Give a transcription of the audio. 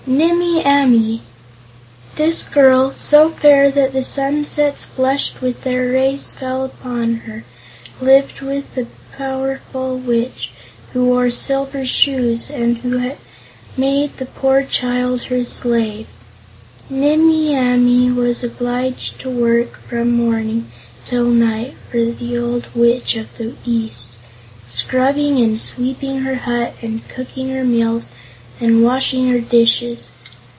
"Nimmie Amee. This girl, so fair that the sunsets blushed when their rays fell upon her, lived with a powerful witch who wore silver shoes and who had made the poor child her slave. Nimmie Amee was obliged to work from morning till night for the old Witch of the East, scrubbing and sweeping her hut and cooking her meals and washing her dishes.